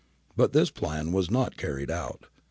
But this plan was not carried out.